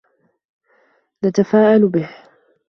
نتفائل به.